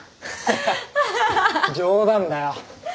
冗談だよ。